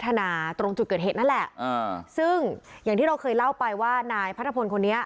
ธนาตรงจุดเกิดเหตุนั่นแหละอ่าซึ่งอย่างที่เราเคยเล่าไปว่านายพัทธพลคนนี้